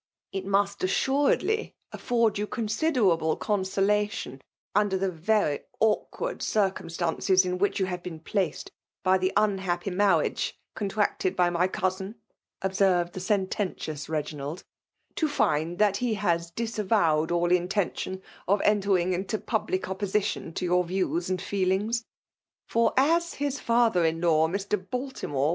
*' It must assuredly afibrd you consideraUe consolation under the very awkward ciicum* stances in which you have been placed by the unhappy maxriage coBtracted by my cousin," observed the sententious Reginald* '' to find that he has disavowed all intention of entering into public exposition to your views and fedlh' ings ; for, as his father in law, Mr. Baltimorej